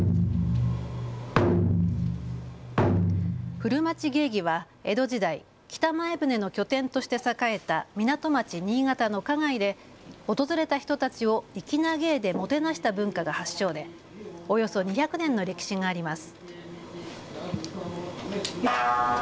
古町芸妓は江戸時代、北前船の拠点として栄えた港町、新潟の花街で訪れた人たちを粋な芸でもてなした文化が発祥でおよそ２００年の歴史があります。